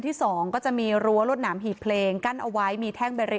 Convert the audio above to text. ที่สองก็จะมีรั้วรวดหนามหีบเพลงกั้นเอาไว้มีแท่งเบรี